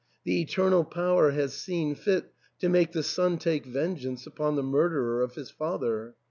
The Eternal Power has seen fit to make the son take vengeance upon the murderer of his father.